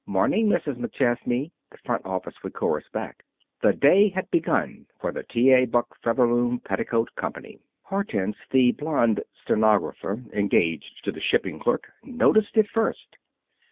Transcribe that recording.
"'Morning, Mrs. McChesney!" the front office would chorus back. The day had begun for the T. A. Buck Featherloom Petticoat Company. Hortense, the blond stenographer (engaged to the shipping clerk), noticed it first.